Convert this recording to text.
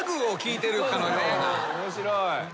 面白い。